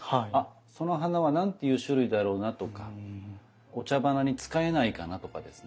その花は何ていう種類だろうなとかお茶花に使えないかなとかですね